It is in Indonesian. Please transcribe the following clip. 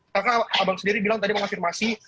karena abang sendiri bilang tadi mengafirmasi